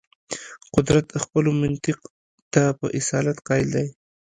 قدرت خپلو منطق ته په اصالت قایل دی.